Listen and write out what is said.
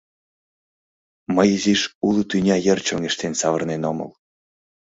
Мый изиш уло тӱня йыр чоҥештен савырнен омыл.